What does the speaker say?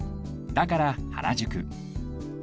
だから原宿